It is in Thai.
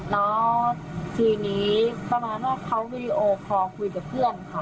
แล้วทีนี้เตอร์ฟอร์วาซวีดีโอของพี่เค้าคุยกับเพื่อนค่ะ